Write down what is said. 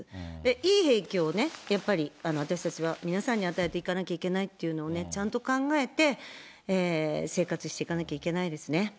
いい影響をやっぱり、私たちは皆さんに与えていかなきゃいけないというのをね、ちゃんと考えて、生活していかなきゃいけないですね。